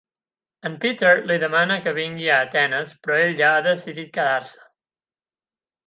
En Peter li demana que vingui a Atenes, però ella ha decidit quedar-se.